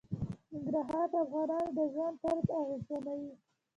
ننګرهار د افغانانو د ژوند طرز اغېزمنوي.